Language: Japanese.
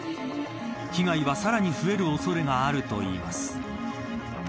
被害はさらに増える恐れがあるといいます。